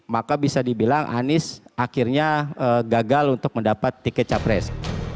maka bisa dibilang anies akhirnya gagal untuk mendapat tiket capres